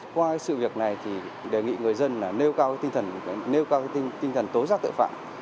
qua sự việc này thì đề nghị người dân nêu cao tinh thần tố giác tội phạm